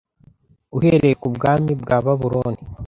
uhereye ku bwami bwa Babuloni